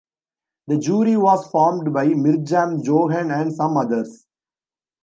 The jury was formed by Mirjam, Johan and some others.